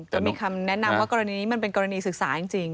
ก็มีคำแนะนำว่ากรณีนี้มันเป็นกรณีศึกษาจริง